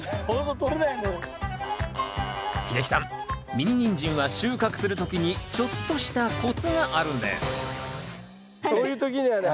ミニニンジンは収穫する時にちょっとしたコツがあるんですそういう時にはね